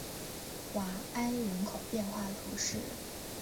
瓦埃人口变化图示